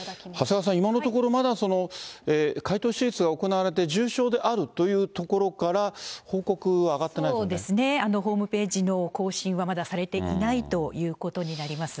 長谷川さん、今のところまだ、開頭手術が行われて重傷であるというところから、報告は上がってそうですね、ホームページの更新はまだされていないということになります。